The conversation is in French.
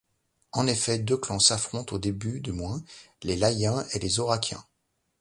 En effet, deux clans s'affrontent, au début du moins, les Layiens et les Orakiens.